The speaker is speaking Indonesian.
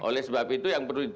oleh sebab itu yang perlu